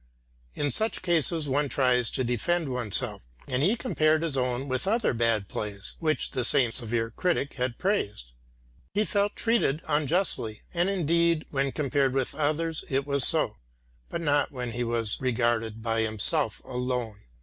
In such cases one tries to defend oneself, and he compared his own with other bad plays, which the same severe critic had praised. He felt treated unjustly, and indeed when compared with others it was so, but not when he was regarded by himself alone.